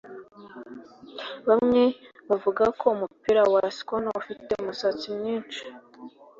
bamwe bavuga ko umupira wa snooker ufite umusatsi mwinshi